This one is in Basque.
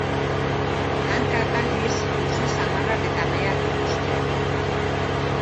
Hankak aldiz luze samarrak eta meheak dituzte.